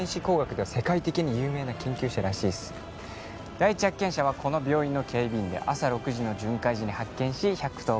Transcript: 第一発見者はこの病院の警備員で朝６時の巡回時に発見し１１０